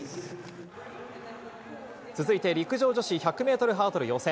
続いて陸上女子１００メートルハードル予選。